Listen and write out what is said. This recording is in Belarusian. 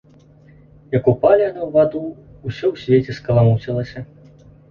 Як упалі яны ў ваду, усё ў свеце скаламуцілася.